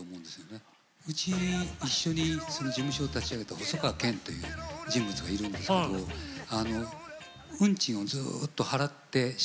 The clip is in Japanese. うち一緒に事務所を立ち上げた細川健という人物がいるんですけど運賃をずっと払って借金が。